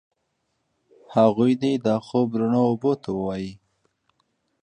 هغوی دي دا خوب روڼو اوبو ته ووایي